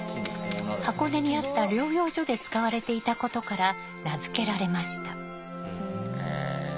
箱根にあった療養所で使われていたことから名付けられました。